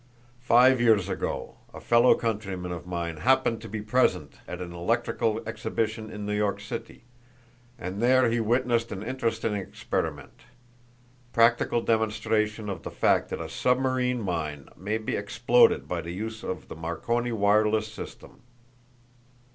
Five years ago a fellow countryman of mine happened to be present at an electrical exhibition in New York City, and there he witnessed an interesting experiment practical demonstration of the fact that a submarine mine may be exploded by the use of the Marconi wireless system.